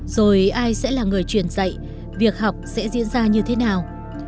rồi ai sẽ là người truyền dạy việc học sẽ diễn ra như thế nào